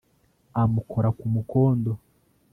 amukora ku mukondo